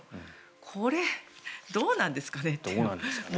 これどうなんですかねっていう。